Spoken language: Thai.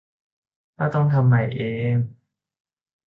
ถ้าต้องทำใหม่เอง